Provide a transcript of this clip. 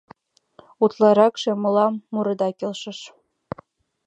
Утларакше мылам мурыда келшыш.